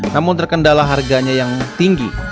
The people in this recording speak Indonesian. namun terkendala harganya yang tinggi